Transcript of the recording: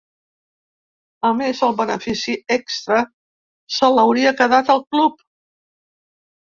A més, el benefici extra se l’hauria quedat el club.